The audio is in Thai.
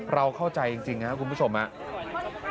เราเข้าใจจริงครับคุณผู้ชมครับ